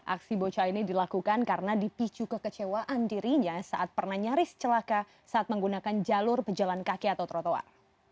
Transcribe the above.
aksi bocah ini dilakukan karena dipicu kekecewaan dirinya saat pernah nyaris celaka saat menggunakan jalur pejalan kaki atau trotoar